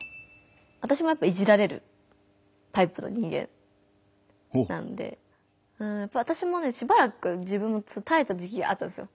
わたしもやっぱりいじられるタイプの人間なんでわたしもねしばらくたえた時期があったんですよ。